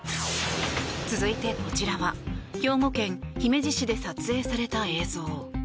続いて、こちらは兵庫県姫路市で撮影された映像。